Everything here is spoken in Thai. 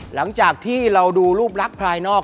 หลังจากที่เราดูรูปลักษณ์ภายนอก